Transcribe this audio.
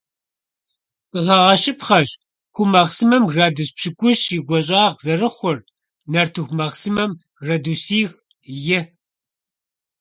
Къыхэгъэщыпхъэщ ху махъсымэм градус пщыкIущ и гуащIагъ зэрыхъур, нартыху махъсымэм - градусих-и.